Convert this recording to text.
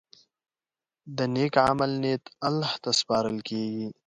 د نیک عمل نیت الله ته سپارل کېږي.